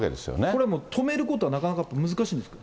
これはもう止めることはなかなか難しいんですか。